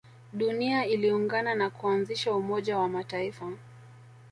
dunia iliungana na kuanzisha umoja wa mataifa